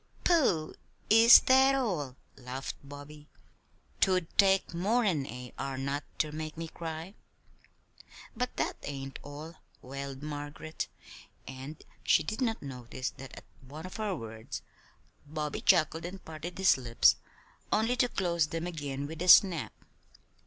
"Pooh! Is that all?" laughed Bobby. "'Twould take more'n a 'are not' ter make me cry." "But that ain't all," wailed Margaret, and she did not notice that at one of her words Bobby chuckled and parted his lips only to close them again with a snap.